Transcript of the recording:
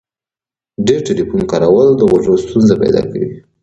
ډیر ټلیفون کارول د غوږو ستونزي پیدا کوي.